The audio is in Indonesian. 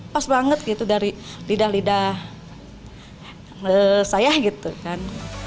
pas banget gitu dari lidah lidah saya gitu kan